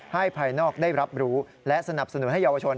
ภายนอกได้รับรู้และสนับสนุนให้เยาวชน